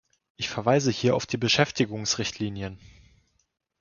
Ich verweise hier auf die Beschäftigungsrichtlinien.